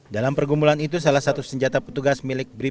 dalam pergumulan itu salah satu senjata petugas milik brib